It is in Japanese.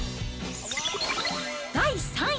第３位。